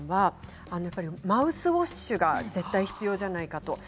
マウスウォッシュが絶対必要じゃないかと。